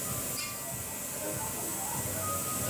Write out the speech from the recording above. په کتابونو کي د تېرو نسلونو پوهه خوندي ده.